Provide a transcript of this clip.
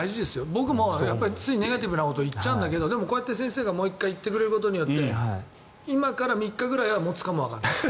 僕もついネガティブなことを言っちゃうんだけどでもこうやって、先生がもう１回言ってくれることによって今から３日ぐらいは持つかもわからない。